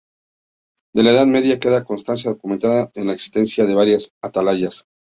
De la Edad Media queda constancia documental de la existencia de varias atalayas.